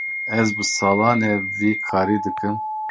Ez bi salan e vî karî dikim.